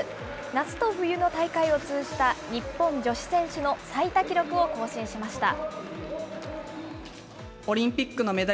夏と冬の大会を通じた日本女子選手の最多記録を更新しました。